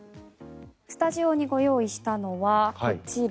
スタジオにご用意したのはこちら。